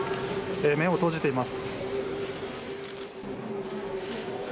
目を閉じています。